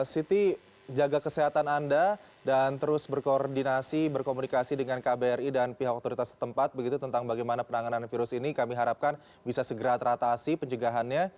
siti jaga kesehatan anda dan terus berkoordinasi berkomunikasi dengan kbri dan pihak otoritas setempat begitu tentang bagaimana penanganan virus ini kami harapkan bisa segera teratasi pencegahannya